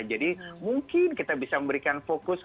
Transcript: jadi mungkin kita bisa memberikan fokus